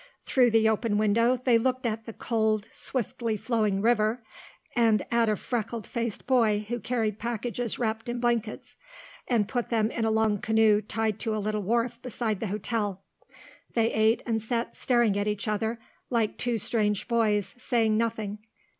Through the open window they looked at the cold swiftly flowing river and at a freckled faced boy who carried packages wrapped in blankets and put them in a long canoe tied to a little wharf beside the hotel. They ate and sat staring at each other like two strange boys, saying nothing.